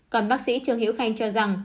còn bác sĩ trương hiếu khanh cho rằng